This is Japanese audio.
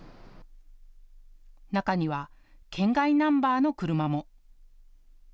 中には県外ナンバーの車も。